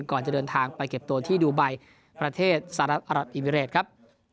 ก่อนจะเดินทางไปเก็บตัวที่ดูไบประเทศสหรัฐอรับอิมิเรตครับ